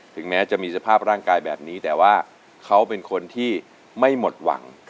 แม้จะมีสภาพร่างกายแบบนี้แต่ว่าเขาเป็นคนที่ไม่หมดหวัง